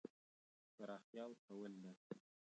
پراختیا ورکول ده.